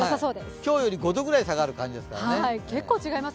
今日より５度ぐらい下がる感じですからね。